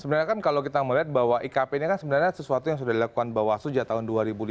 sebenarnya kan kalau kita melihat bahwa ikp ini kan sebenarnya sesuatu yang sudah dilakukan bawaslu ya tahun dua ribu lima belas